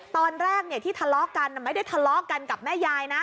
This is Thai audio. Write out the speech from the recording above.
ตอนแรกที่ทะเลาะกันไม่ได้ทะเลาะกันกับแม่ยายนะ